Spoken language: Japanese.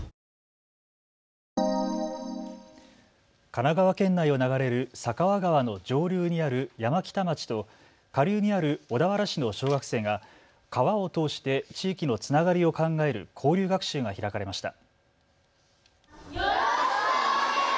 神奈川県内を流れる酒匂川の上流にある山北町と下流にある小田原市の小学生が川を通して地域のつながりを考える交流学習が開かれました。